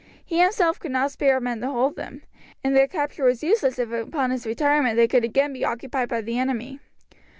He himself could not spare men to hold them, and their capture was useless if upon his retirement they could again be occupied by the enemy.